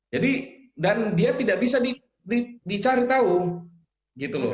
jadi dan dia tidak bisa dicari tahu